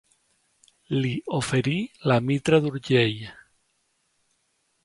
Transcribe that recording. Li oferí la mitra d'Urgell.